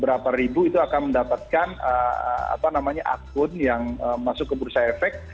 berapa ribu itu akan mendapatkan akun yang masuk ke bursa efek